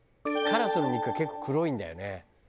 カラスの肉は結構黒いんだよね。